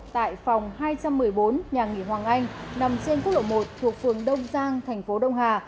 tại phòng hai trăm một mươi bốn nhà nghỉ hoàng anh nằm trên quốc lộ một thuộc phường đông giang thành phố đông hà